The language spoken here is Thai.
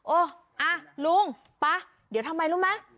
โอ้อ่ะลุงป๊ะเดี๋ยวทำไมรู้ไหม